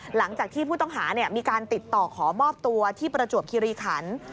หลังจากที่ผู้ต้องหามีการติดต่อขอมอบตัวที่ประจวบคิริขัน